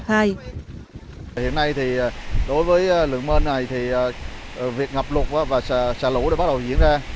hiện nay thì đối với lượng mê này thì việc ngập lụt và xả lũ đã bắt đầu diễn ra